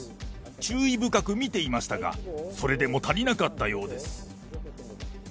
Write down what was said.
注意深く見ていましたが、それでも足りなかったようです。